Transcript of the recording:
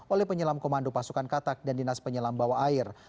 oleh penyelam komando pasukan katak dan dinas penyelam bawah air